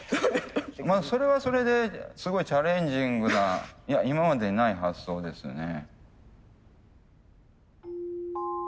それはそれですごいチャレンジングな今までにない発想ですね。